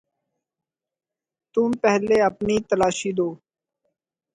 تم پہلے اپنی تلاشی دو